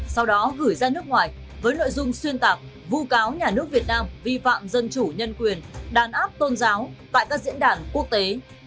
sau đó gửi ra nước ngoài với nội dung xuyên tạc vu cáo nhà nước việt nam vi phạm dân chủ nhân quyền đàn áp tôn giáo tại các diễn đàn quốc tế